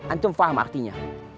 antum paham artinya